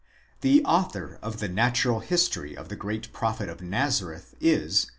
The author of the Natural History of the Great Prophet of Nazareth is